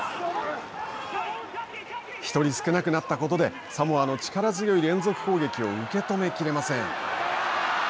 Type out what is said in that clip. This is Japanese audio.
１人少なくなったことでサモアの力強い連続攻撃を受け止めきれません。